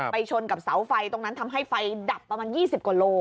ชนกับเสาไฟตรงนั้นทำให้ไฟดับประมาณ๒๐กว่าโล